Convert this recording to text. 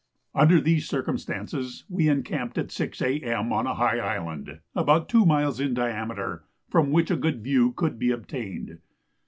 Under these circumstances we encamped at 6 A.M. on a high island, about two miles in diameter, from which a good view could be obtained.